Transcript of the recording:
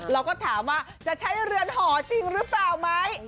เราก็ถามว่าจะใช้เรือนหอจริงหรือเปล่าไหม